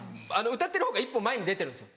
歌ってるほうが一歩前に出てるんですよ。